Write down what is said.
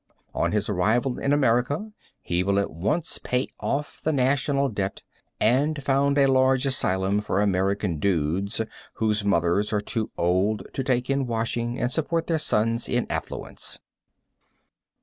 On his arrival in America he will at once pay off the national debt and found a large asylum for American dudes whose mothers are too old to take in washing and support their sons in affluence.